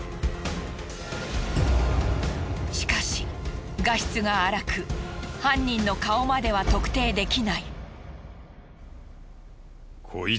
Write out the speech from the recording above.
しかし画質が荒く犯人の顔までは特定できない。